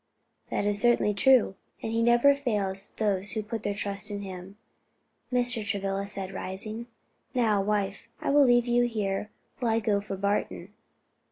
"That is certainly true and he never fails those who put their trust in him," Mr. Travilla said, rising. "Now, wife, I will leave you here while I go for Barton."